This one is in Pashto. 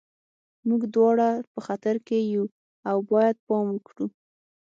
موږ دواړه په خطر کې یو او باید پام وکړو